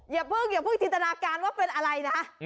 อย่าเพิ่งจินตนาการว่าเป็นอะไรนะ